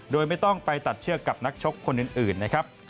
โดยไม่ต้องไปตัดเชือกกับนักชกคนอื่นนะครับ